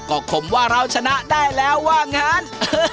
ก็คงว่าเราชนะได้แล้วว่างั้น